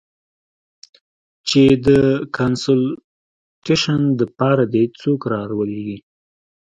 چې د کانسولټېشن د پاره دې څوک ارولېږي.